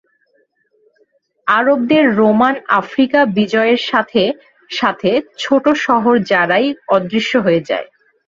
আরবদের Roman Africa বিজয়ের সাথে সাথে ছোট শহর জারাই অদৃশ্য হয়ে যায়।